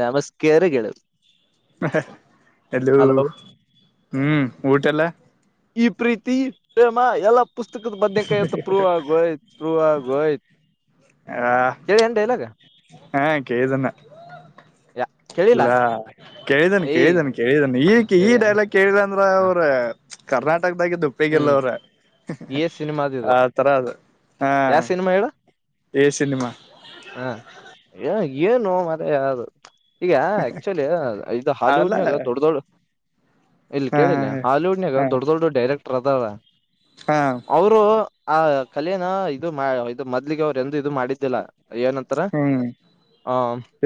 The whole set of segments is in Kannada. ನಮಸ್ಕಾರ ಗೆಳತಿ ಎಲ್ಲ ಹಲೋ ಹ್ಮ್ ಊಟಲ್ಲ ಈ ಪ್ರೀತಿ ಪ್ರೇಮ ಎಲ್ಲ ಪುಸ್ತಕದ ಬದನ ಕೈತ್ತು ಪ್ರೂವ ಆಗೋಯ್ತು ಪ್ರೂವ್ ಆಗೋಯ್ತ ಆ ಕೇಳಿ ಡೈಲಾಗ್ ಹಾ ಕೇಳ್ದನ್ನ ಕೇಳಿಲ್ಲ ಇಲ್ಲಾ ಕೇಳಿದಾನ ಏಯ್ ಕೇಳಿದಾನ ಕೇಳಿದನ್ ಈ ಈ ಕೇಳಿಯ ಡೈಲಾಗ್ ಕೇಳಿಲ್ಲ ಅಂದ್ರ ಹ ಅವ್ರ ಕರ್ನಾಟ ದಾಗ ಹ್ಮ್ ಉಪ್ಪಿಗೆಲ್ಲವ್ರ ಏ ಸಿನಿಮಾದಿದ ಆ ತರ ಅದು ಹಾ ಯಾವ ಏ ಸಿನಿಮಾ ಹಾ ಏನು ಮತ್ತೆ ಯಾವದು ಈಗ ಆಕ್ಚುಲಿ ಇದು ಅಲ್ಲ ಹಾಲಿವುಡ್ನಾಗ ದೊಡ್ಡ ದೊಡ್ಡ ಇಲ್ಲಿ ಹಾ ಹಾ ಕೇಳಿಲ್ಲ ಹಾಲಿವುಡ್ನಾಗ ಹಾ ದೊಡ್ಡ ದೊಡ್ಡ ಡೈರೆಕ್ಟ್ ಪ್ರದಳ ಹಾ ಅವರು ಆ ಕಲಿಯಾಣ ಇದು ಇದು ಮದ್ಲಿಗೆ ಅವ್ರು ಎಂದ ಇದು ಮಾಡಿದ್ದಿಲ್ಲ ಏನಂತಾರ ಹ್ಮ್ ಹ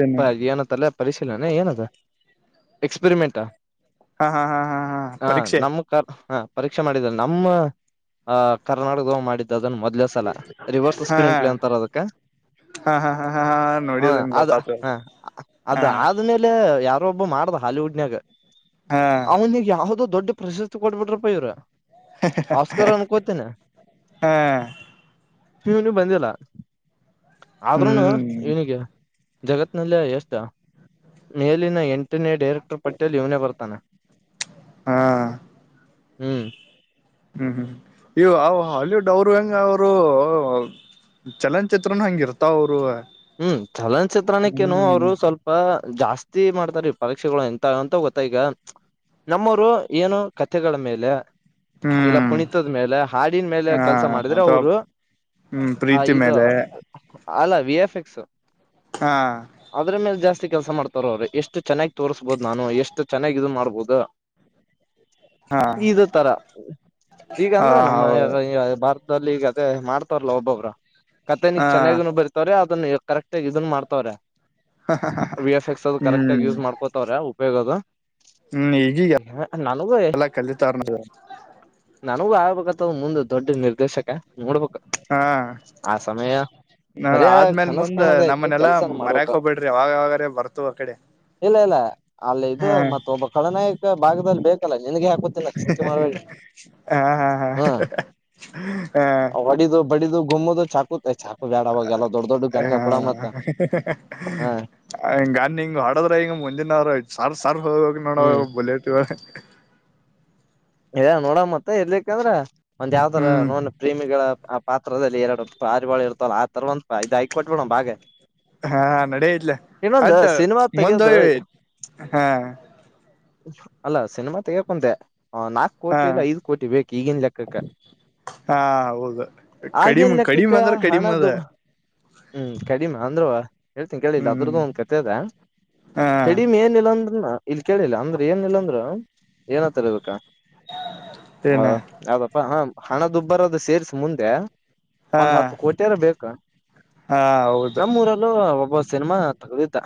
ಏನು ಏನಂತಲ್ಲ ಪರಿಶೀಲನೆ ಏನದ ಎಕ್ಸ್ಪರಿಮೆಂಟ್ ಹಾ ಹಾ ಹಾ ಹಾ ಹಾ ಪರೀಕ್ಷೆ ಕರ್ ಹ ಪರೀಕ್ಷೆ ಮಾಡಿದಿದ್ದಾರೆ ನಮ್ಮ ಅ ಕರ್ನಾಟಕದ ಮಾಡಿದ ಇ ಅದನ್ ಮೊದ್ ಸಲ ರಿವರ್ಸ್ ಹಾ ಸ್ಕ್ರೀನ್ ಪ್ಲೇ ಹಾ ಅಂತಾರ ಅದಕ್ಕೆ ಹಾ ಹಾ ಹಾ ಹ ನೋಡಿದಂಗ ಅದ ಗೊತ್ತಾತ ಹ ಅದ ಹಾ ಆದ್ಮೇಲೆ ಯಾರ ಒಬ್ಬ ಮಾಡ್ದ ಹಾಲಿವುಡ್ನಾಗ ಹಾ ಅವ ಯದು ದೊಡ್ಡ ಪ್ರಶಸ್ತಿ ಕೊಡ್ಬಿಟ್ರಪ್ಪ ಇವರು ಅವಸ್ಕರ ಅನ್ಕೋತೇನೆ ಹಾ ನೀ ನೀ ಬಂದಿಲ್ಲ ಆದ್ರೂನು ಹ್ಮ್ ಇವನಿಗೆ ಜಗತ್ನಲ್ಲಿ ಎಷ್ಟ ಮೇಲಿನ ಎಂಟು ನೆಟ್ ಡೈರೆಕ್ಟರ್ ಪಟ್ಟಟೇಲ್ ಇವನ ಬತಾನ ಹಾ ಹ್ಮ್ ಹ್ಮ್ ಹ್ಮ್ ಇವು ಅವ ಹಾಲಿವುಡ್ ಅವರು ಹೆಂಗ ಅವರು ಚಲನಚಿತ್ರನ್ ಹೆಂಗ ಇರ್ತಾವ ಅವ್ರು ಹ್ಮ್ ಚಲನಚಿತ್ರಕ್ಕೇನು ಅವ್ರು ಸ್ವಲ್ಪ ಜಾಸ್ತಿ ವತಿ ಮಾಡ್ತಾರೆ ಈ ಪರೀಕ್ಷೆಗಳು ಎಂತ ಅಂತ ಗೊತ್ತ ಈಗ [inaudible] ನಮ್ಮವರು ಏನು ಕಥೆಗಳ ಮೇಲೆ ಇಲ್ಲ ಹ್ಮ್ ಕುಣಿತದ ಮೇಲೆ ಹಾಡಿನ ಮೇಲೆ ಹ ಕೆಲ್ಸ ಮಾಡಿದ್ರೆ ಅಥವಾ ಅವರು ಹ್ಮ್ ಆ ಪ್ರೀತಿ ಇದು ಮೇಲೆ ಅಲ ವಿ ಎಫ್ಕ್ ಶ ಷ ಹಾ ಅದ್ರ ಮೇಲೆ ಜಾಸ್ತಿ ಕೆಲಸ ಮಾಡ್ತಾರ ಅವರು ಎಷ್ಟು ಚೆನ್ನಾಗಿ ತೋರಿಸ್ಬಹುದು ನಾನು ಎಷ್ಟ ಚನ್ನಾಗಿ ಇದನ್ನ ಮಾಡಬಹದು ಉದಾ ಹಾ ಇ ತರ ಈಗ ಹ ಅಂದ್ರೆ [inaudible] ನಮ್ಮ ಹೌ ಭತ ಲ್ಲಿ ಈಗ ಅದೇ ಮಾಡ್ತಾರಲ್ಲಾ ಒಬ್ಬೊಬ್ಬ್ರ ಕತೆ ನೀಗ್ ಹಾ ಚೆನ್ನಾಗಿ ಬರ್ತವ್ರೆ ಅದನ್ನ ಕರೆಕ್ಟ್ ಆಗ ಇದನ್ ಮಾಡ್ತಾವ್ರೆ ವಿ ಎಫ್ ಎಕ್ಸ್ ಅ ಕರೆಕ್ಟ್ ಹ್ಮ್ ಆಗ ಯೂಸ್ ಮಾಡ್ಕೋತವ್ರ ಉಪಯೋಗ ಅದು ಹ್ಮ್ ಈಗಗ ಎಲ್ಲ ಕಲಿತಾರನದ ನನಗೂ ಆಗ್ಬೇಕಂತದ ಮುಂದ ದೊಡ್ಡ ನಿರ್ದೇಶಕ ನೋಡ್ಬೇಕ ಹಾ ಆ ಸಮಯ ನೋ ಬರಯ ಆದ್ಮೇಲ್ ಕನಸ್ ಮುಂದ್ ಕಾಣೋದ ಆಯ್ತು ನಮ್ಮನೆಲ್ಲಾ ಕೆಲ್ಸನ್ ಮಾಡ್ಬೇಕ ಮರ್ಯಕ್ ಹೋಗ್ಬ ಬಿಡ್ರಿ ವಾಗವಾಗ್ರ ಬರ್ತು ಹೊ ಕಡೆ ಇಲ್ಲಲ್ಲ ಅಲ್ಲ ಇದು ಹಾ ಮತ್ತ ಒಬ್ಬ ಳನಾಯಕ ಭಾಗದಲ್ಲಿ ಬೇಕಲ್ಲ ನನ್ಗೆ ಹಾಕೊತ್ತಿಲ್ಲ ಸಂಚ ಮಾಡ ಹಾ ಹಾ ಒಡಿದು ಬಡಿದು ಗೊಮ್ಮದ ಚಾ ಕ ಚಾಕ ಬ್ಯಾಡ ಅವಾಗಲ್ಲ ದಡ್ ದಡ್ಡ ಗನ್ ಹಂಗನ್ ಹಿಂಗ ಹೊಡದ್ರ ಹಿಂಗ ಮುಜಿನ್ರ ಸಾರ್ ಸರ್ ಹೋಗ ಹ ನೋಡ ಹ್ಮ್ ಬುಲೆಟ್ ಇ ನೋಡ ಮತ್ತ ಇರ್ಲಿಕ್ಕ ಅಂದ್ರ ಒಂದ್ ಯಾವ್ದರ ಹ್ಮ್ ನೋನ್ ಪ್ರೇಮಿಗಳ ಪಾತ್ರದಲ್ಲಿ ಎರಡು ಪಾರಿವಾಳ ಇರ್ತವಲ್ಲ ಆ ತರವಂತ ಇದದು ಐಕ ಕೊಟ್ಬಿಡ್ ಬಾಗೆ ಹಾ ನಡ ಇಟ್ಲ ಅಟ್ಟ ಸಿನಿಮಾ ತೆಗಿಯೋದು ಮುಂದೋಗವಿ ಹಾ ಅಲ್ಲಾ ಸಿನಿಮಾ ತೆಗಕಂತೆ ಹ ನಾಕ್ ಹಾ ಕೋಟಿ ಇಲ್ಲ ಐದ್ ಕೋಟಿ ಬೇಕು ಈಗನ್ ಲೆಕ್ಕಕ್ಕ ಹಾ ಹೌದು ಆಗೇನ್ ಕಡಿಮೆ ಕಡಿಮೆ ಲೆಕ್ಕಕ್ಕ ಅಂದ್ರೆ ಕಡಿಮೆ ಅದ ಹಣದು ಹ್ಮ್ ಕಡಿಮೆ ಅಂದ್ವ ಹೇಳ್ತೀನಿ ಕೇಳಿಲ್ಲ ಹ್ಮ್ ಅದ್ರದ್ದು ಒಂದ್ ಕತೆ ಅದೆ ಹಾ ಕಡಿಮೆ ಏನ್ ಇಲ್ಲಾ ಅಂದ್ರನ ಇಲ್ ಕೇಳಿಲ್ಲ ಅಂದ್ರೆ ಏನ್ಲ್ಲ ಅಂದ್ರರು ಏನತರ ಇಬೇಕಾ ಹ ಏನ ಯಪ್ಪ ಹ ಹಣದುಬ್ಬರೋದು ಸೇರ್ರಿಸ ಮುಂದೆ ಹಾ ಒಂದ್ ಹತ್ತು ಕೋಟಿಯಾರ ಬೇಕಾ ಹಾ ಹೌದು ನಮ್ಮೂರಲ್ಲೂ ಒಬ್ಬ ಸಿನಿಮಾ ತಗದಿದ್ದ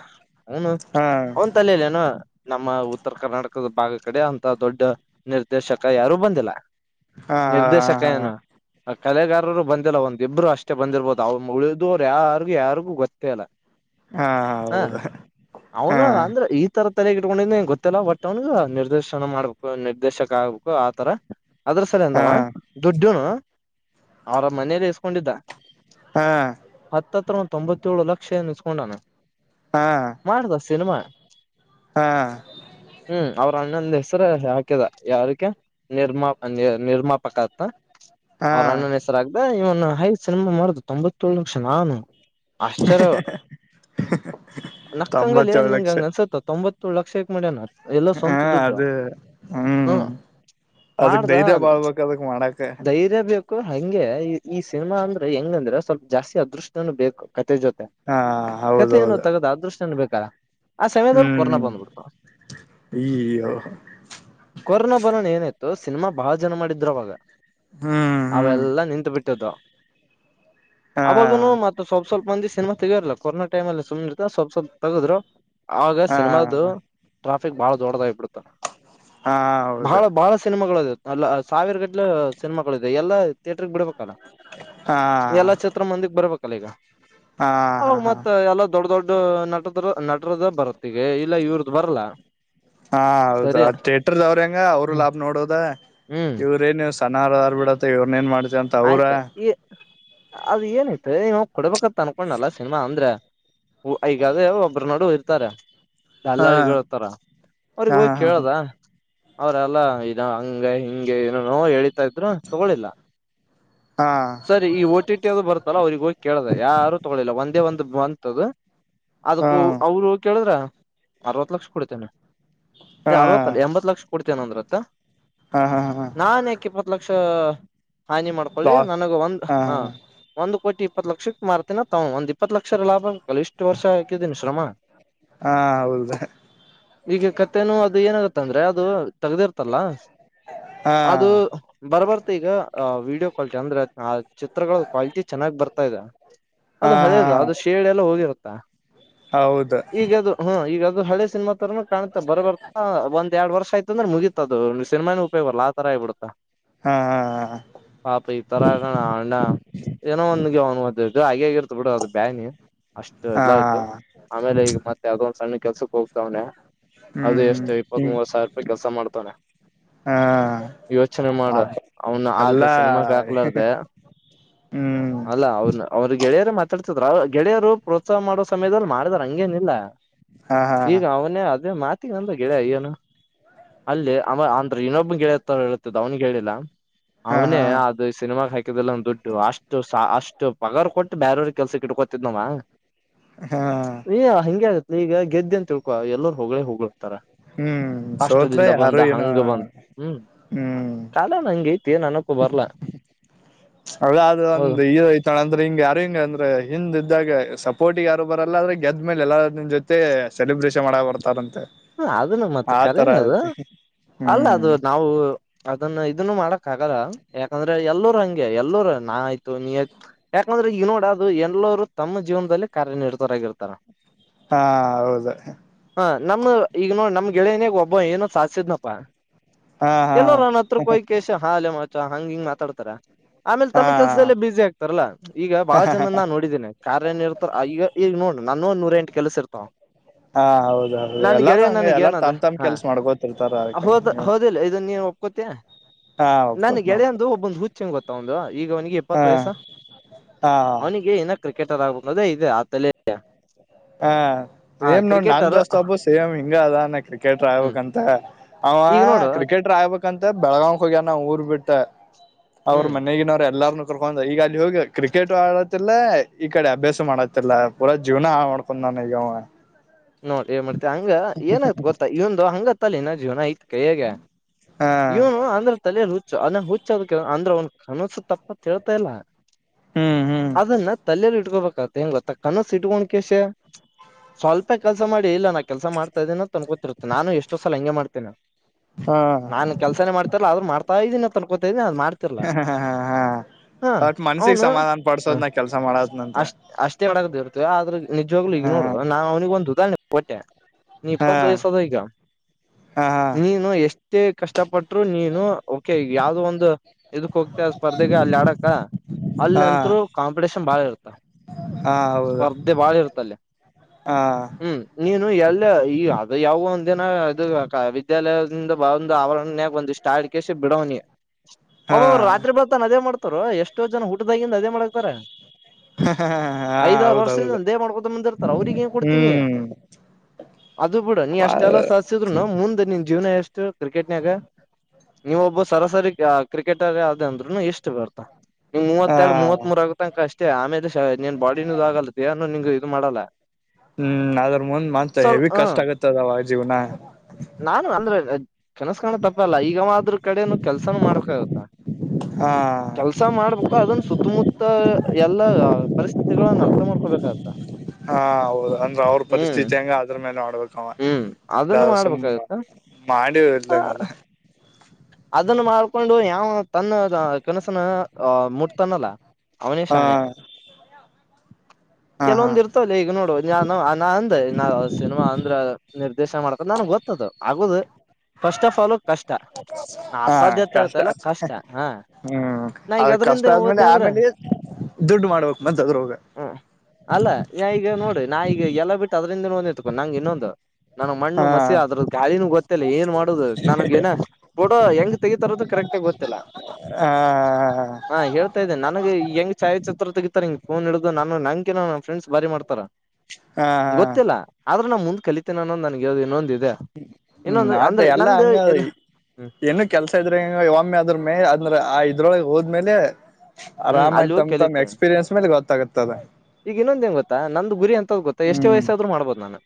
ಹನು ಹಾ ಅವಂತಲ್ಲ ಇಲ್ಲನು ನಮ್ಮ ಉತ್ತರ ಕರ್ನಾಟಕದ ಭಾಗ ಕಡೆ ಅಂತ ದೊಡ್ಡ ನಿರ್ದೇಶಕ ಯಾರು ಬಂದಿಲ್ಲ ಹಾ ಹಾ ನಿರ್ದೇಶಕ ಹಾ ಹಾ ಏನು ಕಲೆಗಾರರು ಬಂದಿಲ್ಲ ಒಂದ್ ಇಬ್ರು ಅಷ್ಟೇ ಬಂದಿರಬೋದು ಅವಳಿದ ರು ಯಾರ್ಗು ಯಾರಿಗೂ ಗೊತ್ತೇ ಇಲ್ಲ ಹಾ ಹಾ ಹೌದು ಹಾ ಅವನು ಅಂದ್ರೆ ಈ ತರದ ಇಟ್ಕೊಂಡಿದಂಗ ಗೊತ್ತಿಲ್ಲ ಬಟ್ ಅವನ್ಗ ನಿರ್ದೇಶನ ಮಾಡ್ಬೇಕು ನಿರ್ದೇಶಕ ಆಗ್ಬೇಕು ಆತರ ಅದ್ರ ಸಲ ಹಾ ಎಂದಾವ ದುಡ್ಡನು ಅವ್ರ ಮನೇಲಿ ಎಸ್ಕೊಂಡಿದ್ದ ಹಾ ಹತ್ತತ್ರ ಒ ತೊಂಬತ್ತೇಳು ಲಕ್ಷ ಇಸಸ್ಕೊಂಡಾನೆ ಹಾ ಮಾಡ್ದ ಸಿನಿಮಾ [inaudible] ಹಾ ಪ್ರಣೊಂದು ಹೆಸ್ರ ಹಾಕದ ಯಾರಕ್ಕೆ ನಿರ್ಮಾ ನಿ ನಿರ್ಮಾಪಕ ಆತ ಹಾ ಅವ್ರ ಅಣ್ಣನ್ ಹೆಸರ ಆಗ್ ಹೈದು ಸಿನಿಮಾ ಮಾಡಾರದು ತೊಂಬ ತೊಳ ನಿಮಿಷನ ನಾನ ಆಶ್ಚರ್ಯ ನಕ್ಕಂಗಲ್ಲಿ ಏ ತೊಂಬತ್ತೇಳು ನಿನ್ ಲಕ್ಷ ಹಂಗ ಅನ್ಸುತ್ತ ತೊಂಬತ್ ಲಕ್ಷ್ಯಕ್ ಮೆ ನ ಹಾ ಅದೇ ಹ್ಮ್ ಹ್ಮ ಅದಕ್ ಮಾಡ್ದ ಧೈರ್ಯ ಬಾಳ್ಬೇಕ ಅದಕ್ ಮಾಡಕ ಧೈರ್ಯ ಬೇಕು ಹಂಗೆ ಈ ಸಿನಿಮಾ ಅಂದ್ರೆ ಹೆಂಗ ಅಂದ್ರೆ ಸ್ವಲ್ಪ ಜಾಸ್ತಿ ಅದೃಷ್ಟನು ಬೇಕು ಕತೆೆ ಜೊತೆ ಹಾ ಕತೆ ಏನು ಹೌದೌದು ತಗದ ಅದೃಷ್ಟ ಏನು ಬೇಕು ತಾ ಆ ಸಮಯದಲ್ಲಿ ಕೊರೋನಾ ಹ್ಮ್ ಬಂದ್ಬಿಡ್ತಾವ ಈಯ್ಯೋ ಕೊರೋನಾ ಬಂದೋಣ ಏನತ ಸಿನಿಮಾ ಬಹಳ ಜನ ಮಾಡಿದ್ರು ಅವಾಗ ಹ್ಮ್ ಹ್ಮ್ ಅವೆಲ್ಲಾ ನಿಂತ ಬಿಟ್ಟ ಟ್ಟದ ಹಾ ಅವಾಗನು ಮತ್ತ ಸ್ವಲ್ಪ ಸ್ವಲ್ಪ ಮಂದಿ ಸಿನಿಮಾ ತಗಿಯರಲ್ಲ ಕೊರನಾ ಟೈಮ್ ಅ ಸು್ನೆ ಸ್ವಪ ಸ್ವಲ್ ತಗ್ರು ಆವಾಗ ಹಾ ಸಿನಿಮಾದು ಟ್ರಾಪ್ ಇಫಕ್ ಬಾಳ ದೊಡದಾಗ್ಬ ಬಿಡುತ್ತಾ ಹಾ ಬಹಳ ಹೌದು ಬಹಳ ಸಿನಿಮಾಗಳ ಅದ ಅಲ್ಲ ಸಾವಿರ ಗಟ್ಟಲ ಸಿನಿಮಾಗಳ ಇದೆ ಎಲ್ಲಾ ಥಿಯೇಟ್ರಗೆ ಬಿಡ್ಬೇಕಲ್ಲ ಹಾ ಎಲ್ಲಾ ಚಿತ್ರ ಮಂದಿಗ್ ಬರ್ಬೇಕು [unintelligible] ಹಾ ಹ ಹಾ ಹಾ ಮತ್ತ ಎಲ್ಲಾ ದೊಡ್ಡ ದೊಡ್ಡ ನಟ ನಟರದ ಬರುತ್ತೆ ಹಾ ಹೌದ ಸರಿ ಥಿಯೇಟರ್ದವ್ರ ಹೆಂಗ ಅವರು ಲಾಭ ನೋಡೋದ ಹ್ಮ್ ಇವ್ರೇನ್ಸ ಸನಾರ ಅದಾರ ಬಿಡ ಅತ ಇವೆರ್ನೆನ್ ಮಾಡತಿ ಆಯ್ತ ಈ ಅದ ಏನೈತೆ ನವು ಕೊಡ್ಬೇಕ ತನ್ಕೊಂಡಲ್ಲ ಸಿನಿಮಾ ಅಂದ್ರೆ ಹ ಈಗಾದ ಒಬ್ಬ್ರ ನಡು ಇ ಇತಾರೆ ಹಾ ದಲ್ಲಾಳಿಗಳ ಇರ್ತಾರ್ ಅವ್ರಗ್ ಹಾ ಹೋಗಿ ಹಾ ಕೇಳದ ಅವ್ರಲ್ಲ ಇದ ಹಂಗ ಹಿಂಗೆ ಏನೇನೋ ಎಳಿತಾ ಇದ್ರು ತಗೊಳಿಲ್ಲ ಹಾ ಸರಿ ಈ ಒಟಿ ಟಿ ಅದು ಬರ್ತಲ್ಲ ಅವ್ರಗ ಹೋಗಿ ಕೇಳಿದ್ರ ಯಾರು ತಗೊಳಿಲ್ಲ ಒಂದೇ ಒಂದ್ ಅಂತ್ದ ಹಾ ಅದಕ್ಕೂ ಅವರು ಕೇಳಿದ್ರ ಅರವತ್ತು ಲಕ್ಷ ಕೊಡಿತೇನೆ ಹಾ ಅರವತ್ತಲ್ಲ ಎಂಬತ್ ಲಕ್ಷ ಕೊಡ್ತೇನ ಅಂದ್ರತ್ತ ಹಾ ಹಾ ಹಾ ನಾನೇಕ ಇಪ್ಪತ್ತಲಕ್ಷ [unintelligible] ಹಾನಿ ಮಾಡ್ಕೊಳ್ಳಿ ಲಾಸ್ ನನಗ ಒಂದು ಹಾ ಒಂದು ಕೋಟಿ ಇಪ್ಪತ್ತು ಲಕ್ಷಕ್ ಮಾರ್ತೀನ ತಾವ ಒಂದ ಇಪ್ಪತ್ತು ಲಕ್ಷ ಲಾಭ ಅಲ್ಲಿ ಇಷ್ಟು ವರ್ಷ ಹಾಕಿದೀನಿ ಶ್ರಮ ಹಾ ಹೌದು ಈಗ ಕಥೆನೂ ಅದು ಏನಾಗತ್ತ ಅಂದ್ರೆ ಅದು ತಗದಿರ್ತಲ್ಲ ಹಾ ಅದು ಬರ್ಬರ್ ಈಗ ವಿಡಿಯೋ ಕಾಲ್ ಚಂದ್ರ [inaudible] ಚಿತ್ರಗಳ ಕ್ವಾಲಿಟಿ ಚೆನ್ನ್ ಬರ್ತಾ ಇದೆ ಅದು ಹಾ ಹಾ ಹಳೇದು ಅದು ಶೇಡ್ ಎಲ್ಲ ಹೋಗಿರುತ್ತೆ ಹಾ ಹೌದು [inaudible] ಈಗ ಅದು ಹಾ ಈಗ ಹಳೆ ಸಿನಮಾ ತರ ಕಾಣ್ಾ ಬರ- ಬರ್ಾಂದ ಎರಡ್ ವರ್ಷ ಆಯ್ತು ಅಂದೆ ಮುಗಿತತದು ಸಿನಮಾನ ಉಪೋಗ ಅಲ್ಲ ಆ ತರ ಆಗ್ ಬಿಿಡಾ ಹಾ -ಹಾ- ಹಾ [inaudible] ಣ ಅ್ಣ ಏನೋ ಒಂದ [inaudible] ಗೆನ್ು ಹಾಗೆಗ ಬಿಡು ಬ್ಯಾನಿ ಅಷ್ಟು ಎಲ್ಲ ಆಯ್ತು ಹಾ ಆಮೇಲೆ ಈಗ ಮತ್ತೆ ಅೌಟ್ ಸಣ್ಣ ಕೆಲ್ಸಕ್ ಹೋಗ್ತಾವ್ನ ಹ್ಮ್- ಹ್ಮ್- ಹ್ಮ ಕೆಲ್ಸ ಮಾಡ್ತವ್ನೆ ಯೋಚನೆ [inaudible] ಮಾಡ ಹಾ ಅವ್ನು [inaudible] ಆದ ಎಲ್ಲಾ [inaudible] ಹ್ಮ್ ಅಲ್ಲ ಅವ ಅವ್ರ ಗೆಳೆಯರ ಮಾತಾಡ್ತಿದ ಗೆಳೆಯರು ಪ್ರೋತ್ಸಾಹ ಮಾಡೋ ಸಮಯದಲ್ಲಿ ಮಾಡ ಹಂಗೇನಿಲ್ಲಾ ಹಾ ಹಾ ಈಗ ಅವನೇ ಅದೇ ಮಾತ್ ಂದ ಗೆಳೆಯ ಅಯ್ಯನು ಅಲ್ಲಿ ಅ ಅಂದ್ರ ಇನ್ನೊಬ್ಬ ಗೆಳೆಯತ್ರ ಇತಿದ್ದ ಅವನುಿಗೆ ಹೇಳಿಲ್ಲ ಹಾ ಅವನೇ ಹಾ ಅ ಸಿನಮಾಗ ಹಾಕಿದೆಲ್ಲ ಒಂದು ದುಡ್ಡು ಅಷ್ಟು ಅಷ್ಟು ಪಗಾರ್ ಕೊಟ್ಟು ಬೇರವ್ರ ಕೆಲ್ಸ ಇಟ್ಕೋತಿದ್ ನವ ಹಾ ಅಯ್ಯ ಹೆಿಗೆ ಆಗುತ್ತೆ ಈಗ ಗೆದ್ದ ಅಂತ ತಿಳ್ಕ ಎಲ್ಲರರು ಹಗಳ ಹೋಗ ರ ಹ್ಮ್ ಸೋತ್ರ ಕಷ್ಟದಿಂದ ಬಂದ ಯಾರು ಏನೋ ಹಂಗ ಬಂದ್ [inaudible] ಹ್ಮ್ ಹ್ಮ್ ಕಾಲನ ಹಂಗ ೈತಿ ಏನ್ ಅನಪ ಬರ್ಲ್ಲ ಅದ ಅದು ಒಂದು ಇಯ್ತಳೆ ಅಂದ್ರೆ ಹಿಂಗಗೆ ಯಾರ ಹಿಂಗ ಅಂದ್ರೆ ಹಿಂದ ದ್ದಾಗ ಸಪೋರ್ಟಿ್ ಯಾರು ಬರಲ್ಲ ಆದ್ರೆ ಗೆದ್ದ್ಮೇಲೆ ಎಲ್ಲಾರನ್ ಜೊತೆ ಸೆಲೆಬ್ರೇಷನ್ ಮಾಡ ಬರ್ತಾರಂತೆ ಹ ಅದನ್ನು ಮತ್ತ ಆತರ ಕರನೇ ಅದು ಐತಿ ಅಲ್ಲ ಹ್ಮ್ ಅದು ನಾವು ಅದನ್ನ ಇದನ್ನು ಮಾಡಕ್ ಆಗಲ್ಲ ಯಾಕಂದ್ರೆ ಎಲ್ಲರು ಹಂಗೆ ಎಲ್ಲರು ನಾ ಆಯ್ತು ನೀ ಯಾಕಂದ್ರೆ ಈ ನೋಡ ಅದು ಎಲ್ಲರು ತಮ್ಮ ಜೀವನದಲ್ಲಿ ಕಾರ್ಯನಿರ್ತರಾಗಿರ್ತಾರ ಹಾ ಹೌದ ನಮ್ಮ ಈಗ ನೋಡ್ ನಮ್ ಗೆಳೇನಾಗ ಒಬ್ಬ ಏನ ಸಾಸ್ಿದ್ನಪ್ಪಾ ಹಾ ಹಾ ಎಲ್ಲೋ ನನ್ನ ಹತ್ರ ಕೋಯ್ ಕೆಸ ಹಾಲ್ಲ ಮ [inaudible] ಹಂಗ ಹಿಂಗ ಮಾತಾಡ್ತ ತರ ಆಮೇಲೆ ಹಾ ತಮ್ಮ ಕೆಲ್ಸದಲ್ಲೇ ಬಿಸಿ ಆಗ್ತಾರಲ್ಲಾ ಈಗ ಬಾಳ ಜನನ್ನ ನೋಡಿದ್ದೇನೆ ಕಾರ್ಯ ನಿರತ್ರ ಈಗ ಈಗ ನೋಡ್ ನಾನ್ಗು ನೂರೆಂಟು ಕೆಲಸ ಇರ್ತವ ಹಾ ಹೌದ ಹೌದು ನನ್ಗ್ ಎಲ್ಲಾರು ಗೆಳೆಯ ಹಂಗ ನನಗೆ ಎಲ್ಲಾರು ಏನದ ತಮ್ ತಮ್ ಹಾ ಕೆಲ್ಸ ಮಾಡ್ಕೋತಿರ್ತಾರ ಹೌದ ಕಂಟಿನ್ಯೂ ಹೌದಿಲ್ಲ ಇದನ್ನ ನೀನ್ ಒಪ್ಕೋತಿಯಾ ಹಾ ನನ್ ಒಪ್ಕೋತ್ ನ ಗೆಳೆಯಂದು ಒಬ್ಬೊಂದು ಹುಚ್ಚಂಗ ಗೊತ್ತ ಹತ್ತೌಂದ್ ಈಗ ಅವನಿಗೆ ಹಾ ಇಪ್ಪತ್ತು ವಯಸ್ಸ ಹಾ ಅವನಿಗೆ ಏನ ಕ್ ಕೆಟ್ಟರ್ ಆಗಬುದು ಅದೇ ಇದೆ ಆತಲೆ ಹಾ ಏನ್ ನೋಡ್ ನನ್ ದೋಸ್ತ ಅಬ್ಬೋ ಸೇಮಿ ಹಿಂಗ ಅದಾನೆ ಕ್ರಿಕೆಟ್ರ್ ಹ್ಮ್ ಆಗ್ಬೇಕಂತ ಅವಾ ಈಗ ನೋಡು ಕ್ರಿಕೆಟ್ರ್ ಆಗ್ಬೇಕಂತ ಬೆಳಗಾವ್ಕ್ ಹೋಗ್ಯಾನ ಊರ್ಬಿಟ್ಟ ಅವ್ರ ಹ್ಮ್ ಮನೆಗಿನವ್ರ ಎಲ್ಲಾರ್ನು ಕರ್ಕೊಂಡ ಈಗ ಅಲ್ಲಿ ಹೋಗಿ ಕ್ರಿಕೆಟ್ ಆಡತಿಲ್ಲ ಈ ಕಡೆ ಅಭ್ಯಾಸ ಮಾಡಖತಿಲ್ಲ ಪುರಾ ಜೀವನ ಮಾಡ್ಕೊಂಡ ಹೊ ನ ಗಾವ ನೋಡ್ ಹೇಳ್ ಮಾಡ್ತತಿವಿ ಹಂಗ ಏನಾಗ್ತು ಗೊತ್ತಾ ಇ ಒಂದು ಹಂಗತ್ತಿನ ಜೀವನ ಐತ್ ಕಗೆ ಹಾ ಇವನು ಆಂಧ್ರ ತಲೆ ಹುಚ್ಚು ಅದನ್ನ ಹುಚ್ಚದಕ್ಕೆ ಅಂದ್ರೆ ಅವನ್ ಕನಸು ತಪ್ಪ ತಿಳಿತಾ ಇಲ್ಲ ಹ್ಮ್ ಹ್ಮ್ ಅದನ್ನ ತಲೆಲ್ಲಿ ಇಟ್ಕೋಬೇಕ ಹೆಂಗ ಗೊತ್ತ ಕನ ಇಟ್ಕೊಂಡಕಷ ಸ್ವಲ್ಪ ಕೆಸ ಮಾಡ ಇಲ್ಲಾ ಕೆಲಸ ಮಾಡ್ತಾ ಇದೀನ ತಂದ ಗೊಿತ್ತ ನಾನು ಎಷ್ಟೋ ಸಲ ಹಂಗೆ ಮಾಡ್ತೇನೆ ಹಾ ನಾನ್ ಕೆಲ್ಸನೇ ಮಾಡ್ತಾರಲ್ಲ ಆದ್ರರು ಮಾಡ್ತಾ ಇದೀನಿ ತಕೊತದು ಹ ಹಾ ಬಟ್ ಮನ್ಸಿಿಗೆ ಅವನು ಸಮಾಧಾನ ಹ ಪಡ್ಸೋದ್ನ ಕೆಲ್ಸ ಮಾಡೋದ್ನಂತೆ ಅಷ್ಟ್ ಅಷ್ಟೇ ಮಾಡಕದ ಆದ್ರ ನಿಜವಾಗ್ಲು ಈಗ ನೋಡುವ ನವವಿಂಗೊಂದು ದ ಟ್ಟೆ ನೀ ಹಾ ಇಪ್ಪತ್ತು ವಯಸ್ಸದ ಈಗ ಹಾ ನೀನು ಎಷ್ಟ ಮತ್ತೆ ಕಷ್ಟಪಟ್ಟರು ನೀನು ಓಕೆ ಈ ಯಾವ್ದೋ ಒಂದು ಇದಕ್ ಹೋಗ್ತ ಸ್ಪರ್ಧೆಗೆ ಅಲ್ಲಿ ಆಡಕ ಹಾ ಅಲ್ಲಿ ಹಾ ಅಂತರು ಕಾಂಪಿಟೇಷನ್ ಬಾಳ್ ಇರ್ತ ಹಾ ಹೌದು ಸ್ಪರ್ಧೆ ಬಾಳ ಇರ್ತ ಅಲ್ಲಿ ಹಾ ಹ್ಮ್ ನೀನು ಎಲ್ಲ ಈ ಅದು ಯಾವ ಒಂದು ಿನ ಇದು ವಿದ್ಯಾಲಯದಿಂದ ಬ ಒಂದು ಆವರಣ ಬಂದ ಇಷ್ಟ ಆಡಿಕ ಬಿಡವನಿ ಹಾ ಒಬ್ಬ ಅವರು ರಾತ್ರಿ ಬರ್ತಾನ ಅದೇ ಮಾಡ್ತ ಎಷ್ಟೋ ಜನ ಹುಟ್ಟ್ದ ಅವಾಗಿದ್ ಅದೇ ಮಾಡಕ್ತಾರೆ ಹಾ ಐದಾರು ಹೌದೌದು ವರ್ಷದಿಂದ ಇದೇ ಮಾಡ್ಕೊತ ಬಂದಿರ್ತಾರೆ ಅವ್ರಿಗೆನ್ ಕೊಡ್ತೀರ್. ನೀ ಹ್ಮ್ ಅದು ಬಿಡು ನೀ ಬಾಳ ಅಷ್ಟೆಲ್ಲ ಸಾಧಿದ್ರುನು ಮುಂದ್ ನಿನ್ ಜೀವನ ಎಷ್ಟ್. ಇದು ಕ್ರಿಕೆಟ್ನ್ಯಾಗ ನೀವು ಒಬ್ಬ ಸರಾಸರಿ ಕ್ರಿಕೆಟರ್ ಅಂದ್ರುನು ಇಷ್ಟು ಬರ್ತ ನೀ ಹ ಮೂವತ್ತೆರಡು ಮೂತ್ಮೂರ್ ಆಗತನಕಷ್ಟೆ. ಮತ್ತೆ ಆಮೇಲೆ ನೀನೆನು ಬಾಡಿನೂ ಆಗಲ್ಲತ್ತ ದೇಹನು ನೀ ಇದು ಮಾಡಲ್ಲ ಹೂ ಅದ್ರ್ ಮುಂದ್ ಮಂತ್ ಸ್ವಲ್ ಹೆವಿ ಹ ಕಷ್ಟ ಆಗತ್ತದವ ಜೀವನ. ಕನಸ್ಕಾಣ್ ತಪ್ಪ್ ಲ್ಲ ಈಗವಾ ಆದ್ರ್ಕಡೆನು ಕೆಲ್ಸಾನು ಮಾಡಕ್ ಆಗುತ್ತಾ. ಹಾ ಕೆಲ್ಸ ಮಾಡ್ಬೇಕು ಅದನ್ ಸುತ್ತಮುತ್ತ. ಯದ್ ಎಲ್ಲ ಪರಿಸ್ಥಿತಿಗಳು ನಾವ್ ಅರ್ಥಮಾಡ್ಕೋ ಬೇಕಗುತ್ತೆ. ಹೌದ್ ಅಂದ್ರ ಅವ್ರ ಪರಿಸ್ಥಿತಿ ಹೆಂಗ ಅದ್ರ್ ಮೇಲ್ ಮಾಡಬೇಕವ ಹ್ಮ್ ಇಲ್ಲ ಅದನ್ನು ಸುಮ್ ಮಾಡ್ಬೇಕಾಗತ್ತ ಮಾಡಿಲ್ದಂಗ ಅದೆ. ನಾವು ತನ್ನ ಕನಸನ್ನ ಮುಟ್ತಾನಲ್ಲ ಅವನೆ ಹಾ ಶಾಣ್ಯಾ. ಹಾ ಹಾ ಕೆಲವೊಂದ್ ಇರ್ತವಲ್ಲೇ ಈಗ್ ನೋಡ್. ಮದ್ವೆಯನು ಅಂದ್ ಸಿನಿಮಾ ಅಂದ್ರೆ ನಿರ್ದೇಶನ ಮಾಡ್ಕೊಂಡ್ ನನ್ಗ್ ಗೊತ್ತದು ಆಗದು ಫಸ್ಟ್ ಆಫ್ ಆಲ್ ಕಷ್ಟ. ನಾ ಹಾ ಅಸಾಧ್ಯತೆ ಕಷ್ಟ, ಹೇಳ್ತಲ್ಲ ಕಷ್ಟ ಹಾ ಹೂ ನಾ ಈಗ ಅದ್ ಕಷ್ಟ ಅದ್ರಿಂದ ಆದ್ಮೇಲೆ ಓದ್ನಿ ಅಂದ್ರ ಆಮೇಲೆ ದುಡ್ಡು ಮಾಡ್ಬಕ್ ಮತ್ತ್ ಅದ್ರೋಗ. ಹ್ಮ ಅಲ್ಲ ನಾ ಈಗ ನೋಡಿ ನಾ ಈಗ ಎಲ್ಲಾ ಬಿಟ್ಟು ಅದ್ರಿಂದ ನೋಂದಿತ್ತುಪ್ಪ ನಂಗ್ ಇನ್ನೊಂದು. ನಂಗ್ ಮಣ್ಣು ಹಾ ಮಸಿ ಆದ್ರದ್ದ ಗಾಲಿನು ಗೊತ್ತಿಲ್ಲ ಏನ್ ಮಾಡೋದು, ನಾನಗೆನೊ ಫೋಟೋ ಹೆಂಗ್ ತೆಗಿತರಂತ ಕರೆಕ್ಟಾಗಿ ಗೊತ್ತಿಲ್ಲ, ಹ ಹಾ ಹೇಳ್ತಾ ಇದ್ದೇನೆ ನಂಗೆ ಹೆಂಗ್ ಛಾಯಾಚಿತ್ರ ತೆಗಿತಾರ್. ಫೋನ್ ಹಿಡಿದು ನಾನು ನಂಗಿಂತ ನಾನ್ ಫ್ರೆಂಡ್ಸ್ ಬಾರಿ ಮಾಡ್ತಾರೆ. ಹಾ ಹಾ ನಾ ಮುಂದ್ ಕಲಿತೇನೆ ಅನೊದ್ ನನ್ಗ್ ಇನೊಂದು ಇದೆ. ಹೂ, ಇನ್ನೊಂದು ಆಟೆ ಅಂದ್ರೆ ಎಲ್ಲಾ ನಂದು ಹಂಗ, ಹ್ಮ್ ಏನು ಕೆಲ್ಸ ಇದ್ರೆಂಗ ಒಮ್ಮೆ ಅದ್ರ ಮೇ ಅಂದ್ರ ಆ ಇದ್ರೊಳಗೆ. ಹೋದ್ಮೇಲೆ ಹೂ ಆರಾಮಾಗಿ ಅಲ್ಲಿ ಹೋಗಿ ತಮ್ ತಮ್ ಕಲಿತೇವೆ, ಎಕ್ಸ್ಪೀರಿಯನ್ಸ್ ಮೇಲೆ ಗೊತ್ತಾಗುತ್ತದೆ ಈಗ ಇನ್ನೊಂದ್ ಏನ್ ಗೊತ್ತಾ, ನಂದು ಗುರಿ ಯಂತ ಗೊತ್ತಾ ಎಷ್ಟೇ ಹ್ಮ್ ವಯಸ್ಸಾದ್ರು ಮಾಡ್ಬೋದು ನಾನು.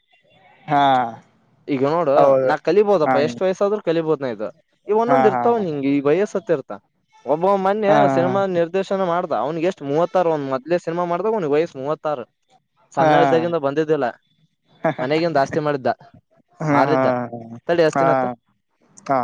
ಹಾ ಈಗ ನೋಡು ಹೌದು ನಾ ಕಲಿಬೋದಪ್ಪ ಹಾ ಎಷ್ಟ್ ವಯಸ್ಸಾದ್ರು ಕಲಿ. ಬೋದ್ನಯು ಇವ ಹಾ ಒಂದೊಂದ್ ಹಾ ಇರ್ತಾವ್ ನಿಂಗೆ ಈ ವಾಯಸ್ಸತ್ತ ಇರ್ತ. ಒಬ್ಬೊಬ್ ಮನ್ಯ ಹಾ ಸಿನಿಮಾ ನಿರ್. ಚಲೊ ಮಾಡ್ದ ಅವ್ಗೆ ಎಷ್ಟು ಮೂವತ್ತಾರು ಒಂದ್ ಮದ್ಲೆ ಸಿನಿಮ ಮಾಡ್ದ ಅವ್ನ್ಗೆ ವಯಸ್ ಮೂವತ್ತಾರು ಹಾ ಹಾ ಸಣ್ಣ ಇದ್ದಾಗಿಂದ ಬಂದಿದ್ದಿಲ್ಲ ಮನೆಗಿಂದ ಆಸ್ತಿ ಮಾಡಿದ್ದ ಹಾ ಮಾರಿದ್ದ ತಳ ಹಾ ಅಸ್ತಿನತ್ತ. ಹಾ ಹಾ